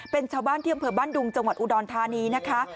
เป็นชาวบ้านที่อำเภอบ้านดุงจังหวัดอุดรธานีนะคะ